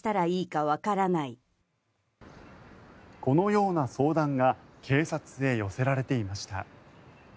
このような相談が警察へ寄せられていました。